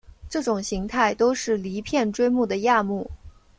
这种形态都是离片锥目的亚目。